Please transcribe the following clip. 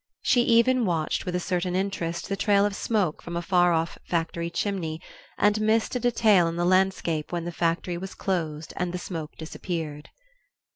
She even watched with a certain interest the trail of smoke from a far off factory chimney, and missed a detail in the landscape when the factory was closed and the smoke disappeared.